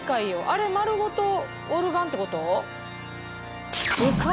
あれ丸ごとオルガンってこと？でか！